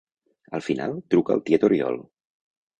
Al final, truca al tiet Oriol.